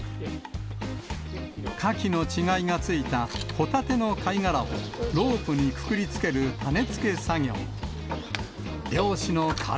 カキの稚貝がついた、ホタテの貝殻をロープにくくりつける種付け作業。